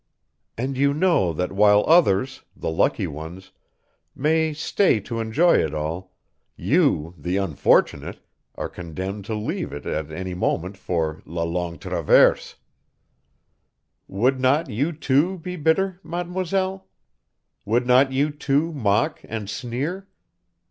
And you know that while others, the lucky ones, may stay to enjoy it all, you, the unfortunate, are condemned to leave it at any moment for la Longue Traverse. Would not you, too, be bitter, mademoiselle? Would not you too mock and sneer?